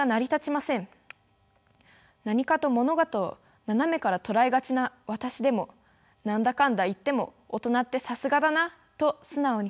何かと物事を斜めから捉えがちな私でも何だかんだ言っても大人ってさすがだなと素直に感じます。